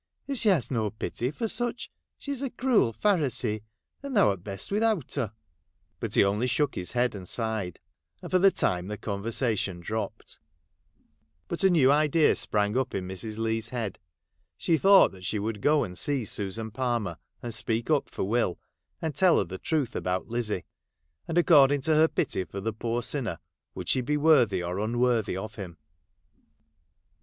If she has no pity for such, she 's a cruel Pharisee, and thou 'rt best without her.' But he only shook his head, and sighed ; and for the time the conversation dropi* 'il. But a new idea sprang up in Mrs. Leigh's head. She thought that she would go and see Susan Palmer, and speak up for Will, and toll her the truth about Lizzie ; and according to her pity for the poor sinner, would she bo worthy or unworthy of him.